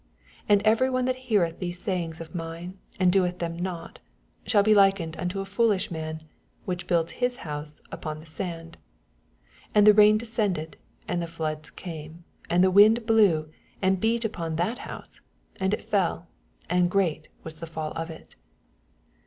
26 And every one that heareth these sayings of mine, and doeth them not, snail be likened unto a foolish man, which built his house upon the sand : 27 And the rain descended, and the floods came, and the winds blew, and beat upon that house j and it fell : and great was the fkll of it.